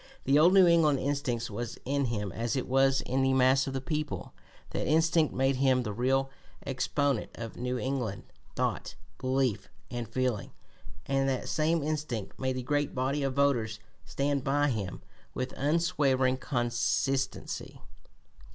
The old New England instinct was in him as it was in the mass of the people; that instinct made him the real exponent of New England thought, belief, and feeling, and that same instinct made the great body of voters stand by him with unswerving constancy.